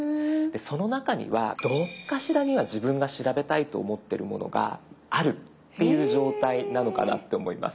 その中にはどっかしらには自分が調べたいと思ってるものがあるっていう状態なのかなって思います。